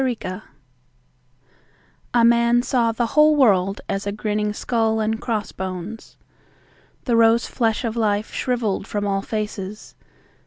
Bath A MAN saw the whole world as a grinning skull and cross bones. The rose flesh of life shriveled from all faces.